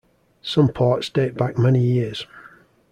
Some ports date back many years.